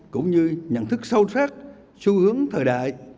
cũng như nhận thức sâu sắc xu hướng thời đại